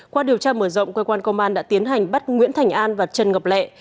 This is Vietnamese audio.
qua điều tra mở rộng quê quan công an đã tiến hành bắt nguyễn thành an và trần ngọc lệ